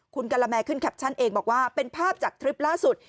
คุณกะละแมขึ้นแคปชั่นเองบอกว่าเป็นภาพจากทริปล่าสุด